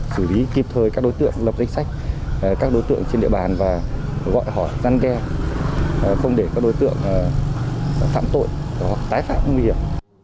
xử lý kịp thời các đối tượng lập danh sách các đối tượng trên địa bàn và gọi hỏi gian đe không để các đối tượng phạm tội tái phạm nguy hiểm